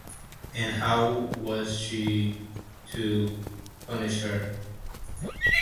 And how was she to punish her?